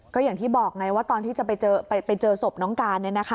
ก็อย่างที่บอกไงว่าตอนที่จะไปเจอศพน้องการ